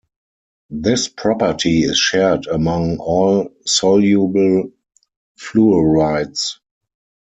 This property is shared among all soluble fluorides.